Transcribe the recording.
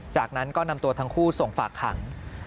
จากนั้นก็นำตัวทั้งคู่ส่งฝากขัง